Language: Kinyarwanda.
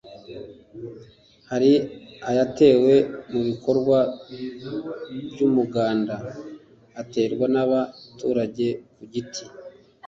hari ayatewe mu bikorwa by umuganda aterwa n abaturage ku giti